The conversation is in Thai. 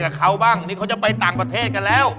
เพราะว่างี้เขาจะไปต่างประเทศกันแล้ว